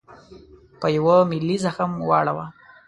په یوه ملي زخم واړاوه.